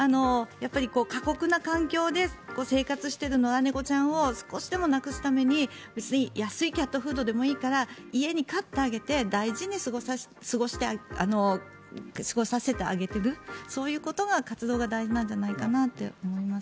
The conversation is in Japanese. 過酷な環境で生活している野良猫ちゃんを少しでもなくすために安いキャットフードでもいいから家で飼ってあげて大事に過ごさせてあげているそういうことの活動が大事なんじゃないかと思います。